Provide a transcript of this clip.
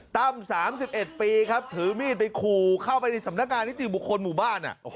ตั้ม๓๑ปีครับถือมีดไปขู่เข้าไปในสำนักงานนิติบุคคลหมู่บ้าน